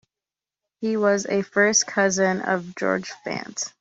He was a first cousin of George Fant.